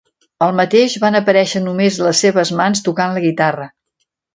Al mateix van aparèixer només les seves mans tocant la guitarra.